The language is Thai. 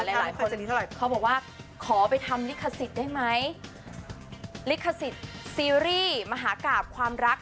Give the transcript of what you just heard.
หลายคนเขาบอกว่าขอไปทำลิขสิทธิ์ได้ไหมลิขสิทธิ์ซีรีส์มหากราบความรัก